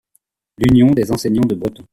L'Union des Enseignants de Breton.